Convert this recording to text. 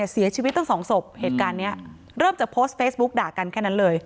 เสียชีวิตตั้งสองศพเหตุการณ์นี้เริ่มจากโพสต์เฟซบุ๊กด่ากันแค่นั้นเลย